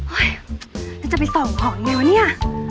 โอ้ยจะไปส่องของยังไงวะเนี่ย